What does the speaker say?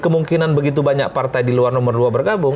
kemungkinan begitu banyak partai di luar nomor dua bergabung